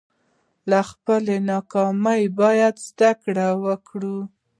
له خپلو ناکامیو باید زده کړه وکړو.